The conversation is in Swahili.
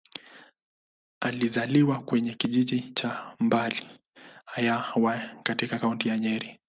Alizaliwa kwenye kijiji cha Mbari-ya-Hwai, katika Kaunti ya Nyeri.